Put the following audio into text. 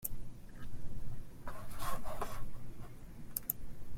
That's not new, it's an established convention in the industry.